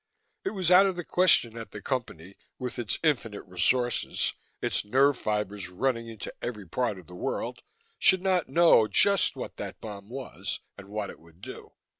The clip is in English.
It was out of the question that the Company, with its infinite resources, its nerve fibers running into every part of the world, should not know just what that bomb was, and what it would do.